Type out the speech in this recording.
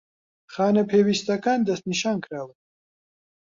خانە پێویستەکان دەستنیشانکراون